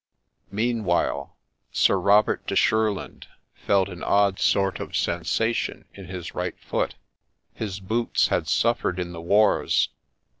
Meanwhile Sir Robert de Shurland felt an odd sort of sensa tion in his right foot. His boots had suffered in the wars.